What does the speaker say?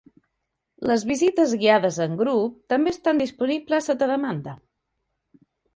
Les visites guiades en grup també estan disponibles sota demanda.